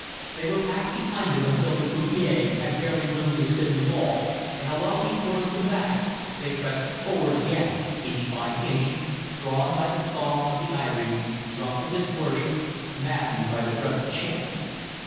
They were packed behind it until the croupier had barely room to spin the ball, and although he forced them back, they pressed forward again inch by inch, drawn by the song of the ivory, drunk with its worship, maddened by the breath of Chance.